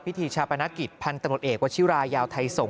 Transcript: พิธีชาปนกิจพันธุ์ตำรวจเอกวชิรายาวไทยสงฆ